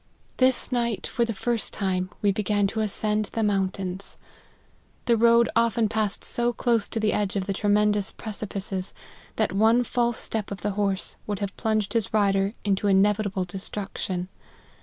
This night, for the first time, we began to ascend the mountains. The road often passed so close to the edge of the tremendous pre cipices, that one false step of the horse would have plunged his rider into inevitable destruction.